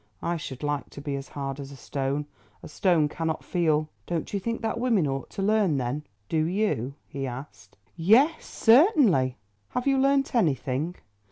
"I should like to be hard as a stone; a stone cannot feel. Don't you think that women ought to learn, then?" "Do you?" he asked. "Yes, certainly." "Have you learnt anything?"